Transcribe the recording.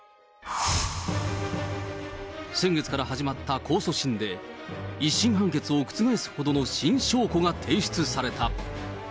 先月から始まった控訴審で、１審判決を覆すほどの新証拠が提出された。